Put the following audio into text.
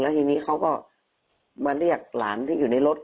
ทีนี้เขาก็มาเรียกหลานที่อยู่ในรถ